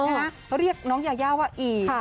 เขาเรียกน้องยาว่าอี